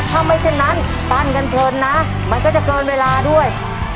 ถ้าไม่เช่นนั้นปั้นกันเพลินนะมันก็จะเกินเวลาด้วย